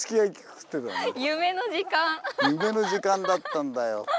夢の時間だったんだよ。